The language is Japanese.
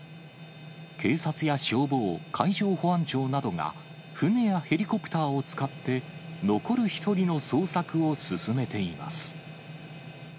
警察や消防、海上保安庁などが、船やヘリコプターを使って、残る１人の捜索を進めています。